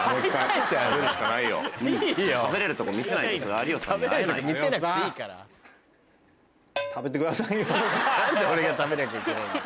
何で俺が食べなきゃいけないんだ。